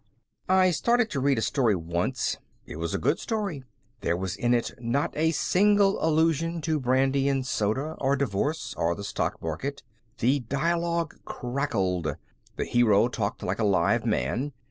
I started to read a story once. It was a good one. There was in it not a single allusion to brandy and soda, or divorce, or the stock market. The dialogue crackled. The hero talked like a live man.